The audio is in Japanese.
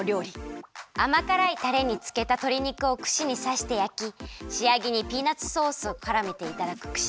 あまからいタレにつけたとり肉をくしにさしてやきしあげにピーナツソースをからめていただくくし